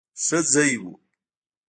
ښه ځای وو.